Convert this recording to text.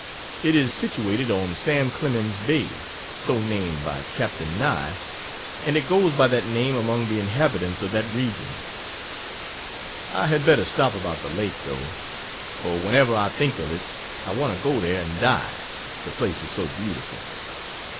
It is situated on "Sam Clemens Bay" so named by Capt. Nye and it goes by that name among the inhabitants of that region. I had better stop about "the Lake," though, for whenever I think of it I want to go there and die, the place is so beautiful.